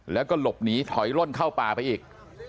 แล้วก็หลบหนีถอยล่นเข้าป่าไปอีก